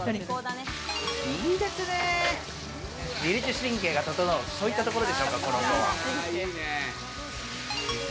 いいですね、自律神経が整う、そういったところでしょうか、この音。